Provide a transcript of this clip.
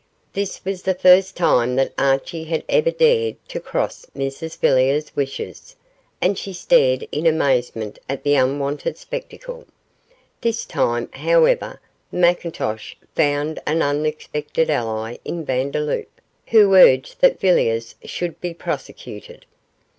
This was the first time that Archie had ever dared to cross Mrs Villiers' wishes, and she stared in amazement at the unwonted spectacle. This time, however, McIntosh found an unexpected ally in Vandeloup, who urged that Villiers should be prosecuted.